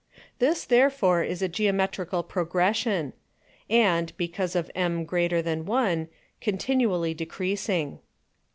9. This therefore is a Geometrical Progression; and (because of m greater than 1) continually decreasing.